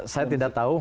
saya tidak tahu